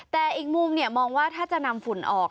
แต่อีกมุมมองว่าถ้าจะนำฝุ่นออก